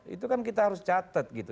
itu kan kita harus catet gitu